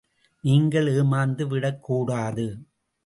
நீங்கள் ஏமாந்து விடக் கூடாது.